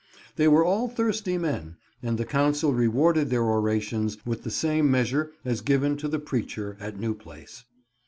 They were all thirsty men, and the council rewarded their orations with the same measure as given to the preacher at New Place.